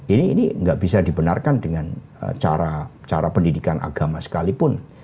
ini nggak bisa dibenarkan dengan cara pendidikan agama sekalipun